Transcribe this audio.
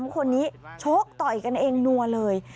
๓คนนี้ชกต่อยกันเองนัวเลย